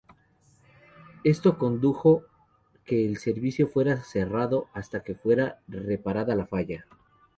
Esto condujo que el servicio fuera cerrado hasta que fuera reparada la falla.